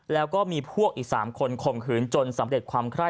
แล้วก็มีพวกอีก๓คนข่มขืนจนสำเร็จความไคร้